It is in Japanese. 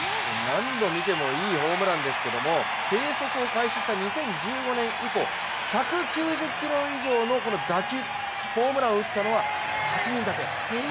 何度見てもいいホームランですが計測を開始した２０１５年以降１９０キロ以上のホームランを打ったのは８人だけ。